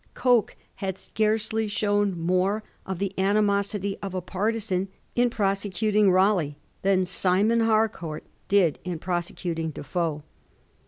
Coke had scarcely shown more of the animosity of a partisan in prosecuting Raleigh than Simon Harcourt did in prosecuting Defoe.